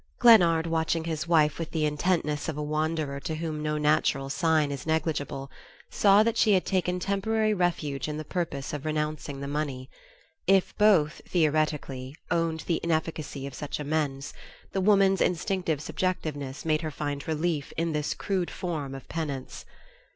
Glennard, watching his wife with the intentness of a wanderer to whom no natural sign is negligible, saw that she had taken temporary refuge in the purpose of renouncing the money. If both, theoretically, owned the inefficacy of such amends, the woman's instinctive subjectiveness made her find relief in this crude form of penance.